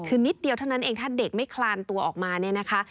คือนิดเดียวเท่านั้นเองถ้าเด็กไม่คลานตัวออกมาเนี่ยนะคะ